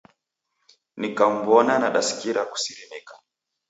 Nikamw'ona nadasikira kusirimika..